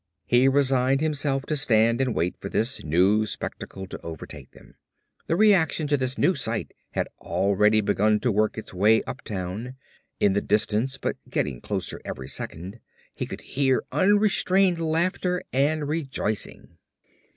He resigned himself to stand and wait for this new spectacle to overtake them. The reaction to this new sight had already begun to work its way uptown. In the distance, but getting closer every second, he could hear unrestrained laughter and rejoicing.